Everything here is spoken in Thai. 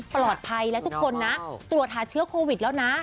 ปลอดภัยแล้วทุกคนนะตรวจหาเชื้อโควิดแล้วนะ